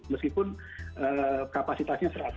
meskipun kapasitasnya seratus